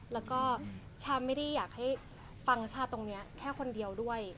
แล้วก็ชาไม่ได้อยากให้ฟังชาติตรงนี้แค่คนเดียวด้วย